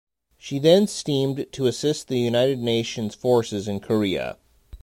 She then steamed to assist the United Nations Forces in Korea.